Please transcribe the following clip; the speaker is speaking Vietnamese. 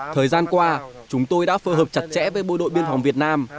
thời gian qua chúng tôi đã phơ hợp chặt chẽ với bộ đội biên phòng việt nam